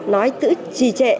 nói tự trì trệ